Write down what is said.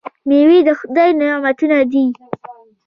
میوې د خدای نعمتونه دي.